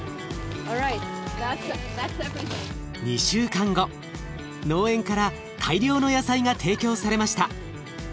２週間後農園から大量の野菜が提供されました。